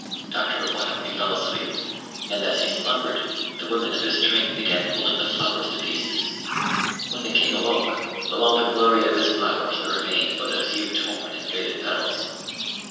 After a while he fell asleep; and as he slumbered, the women of his train began pulling the flowers to pieces. When the king awoke, of all the glory of his flowers there remained but a few torn and faded petals.